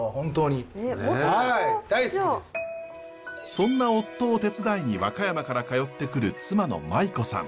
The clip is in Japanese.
そんな夫を手伝いに和歌山から通ってくる妻の麻衣子さん。